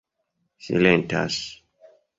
silentas